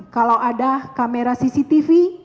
kalau ada kamera cctv